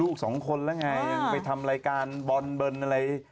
ลูกสองคนแล้วไงยังไปทำรายการบอลเบิร์นอะไร